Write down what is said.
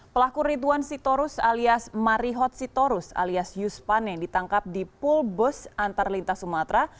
pelaku ridwan sitorus alias marihot sitorus alias yus pane ditangkap di pulbus antar lintas sumatera